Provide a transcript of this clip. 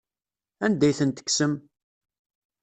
Anda ay ten-tekksem?